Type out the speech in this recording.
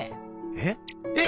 えっ⁉えっ！